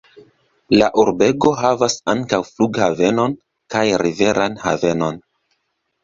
La urbego havas ankaŭ flughavenon kaj riveran havenon.